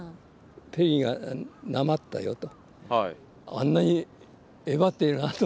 ペリーがなまったよと。